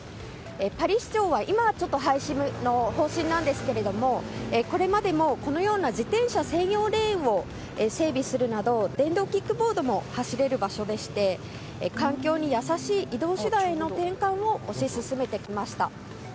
パリ市長は、今はちょっと廃止の方針なんですがこれまでもこのような自転車専用レーンを整備するなど電動キックボードも走れる場所でして環境に優しい移動手段への転換を推し進めてきました。